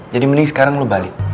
jadi mending sekarang lo balik